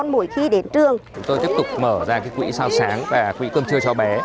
mỗi khi đến trường chúng tôi tiếp tục mở ra quỹ sao sáng và quỹ cơm trưa cho bé